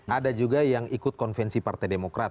ada juga yang ikut konvensi partai demokrat